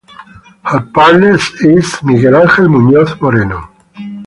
Her partner is Miguel Angel Munoz Moreno.